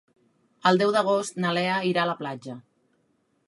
El deu d'agost na Lea irà a la platja.